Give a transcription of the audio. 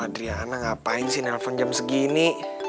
adriana ngapain sih nelfon jam segini